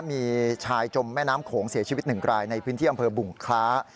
มีชายจมแม่น้ำโขงเสียชีวิตหนึ่งรายในพื้นที่อำเภอบุงคล้า